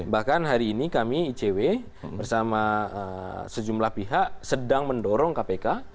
bahkan hari ini kami icw bersama sejumlah pihak sedang mendorong kpk